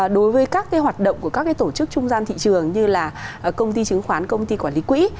đối với các hoạt động của các tổ chức trung gian thị trường như là công ty chứng khoán công ty quản lý quỹ